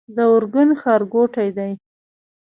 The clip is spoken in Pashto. د ارګون ښارګوټی دی